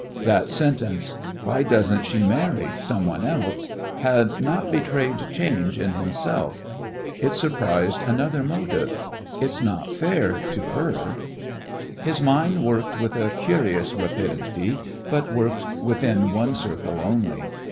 That sentence: "Why doesn't she marry some one else?" had not betrayed change in himself. It surprised another motive: "It's not fair to her!" His mind worked with a curious rapidity, but worked within one circle only.